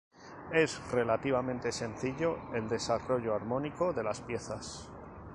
Es relativamente sencillo el desarrollo armónico de las piezas.